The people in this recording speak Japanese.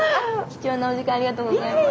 貴重なお時間ありがとうございます。